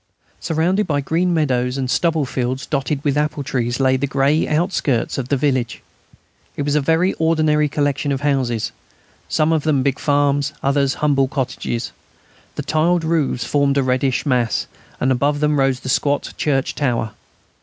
Surrounded by green meadows and stubble fields dotted with apple trees, lay the grey outskirts of the village It was a very ordinary collection of houses, some of them big farms, others humble cottages. The tiled roofs formed a reddish mass, and above them rose the squat church tower.